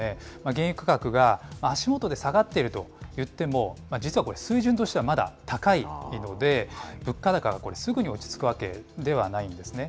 原油価格が足元で下がっているといっても、実はこれ、水準としてはまだ高いので、物価高はすぐに落ち着くわけではないんですね。